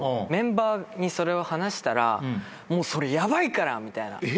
メンバーにそれを話したら「それヤバいから」みたいな。